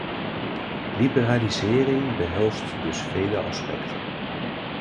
Liberalisering behelst dus vele aspecten.